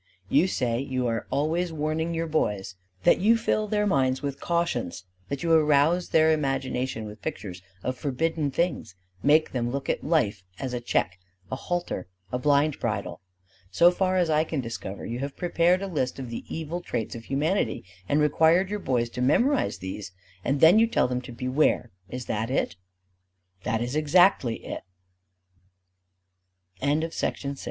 You say you are always warning your boys; that you fill their minds with cautions; that you arouse their imagination with pictures of forbidden things; make them look at life as a check, a halter, a blind bridle. So far as I can discover, you have prepared a list of the evil traits of humanity and required your boys to memorize these: and then you tell them to beware. Is that it?" "That is exactly it." The youth lying o